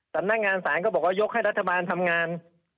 สำนักงานศาลก็บอกว่ายกให้รัฐบาลทำงาน